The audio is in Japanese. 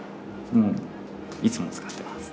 いつも使ってます。